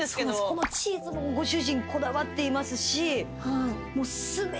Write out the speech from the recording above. このチーズもご主人こだわっていますし全てをですね。